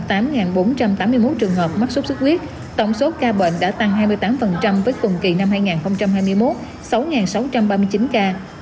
trong tám bốn trăm tám mươi một trường hợp mắc sốt xuất huyết tổng số ca bệnh đã tăng hai mươi tám với cùng kỳ năm hai nghìn hai mươi một sáu trăm ba mươi chín ca